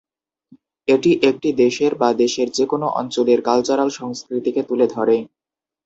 এটি একটি দেশের বা দেশের যেকোনো অঞ্চলের কালচার সংস্কৃতিকে তুলে ধরে।